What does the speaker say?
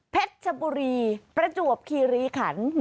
ชบุรีประจวบคีรีขัน